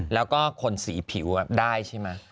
แล้วก็คนสีผิวได้ใช่ไหม